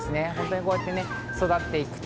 こうやって育っていくと。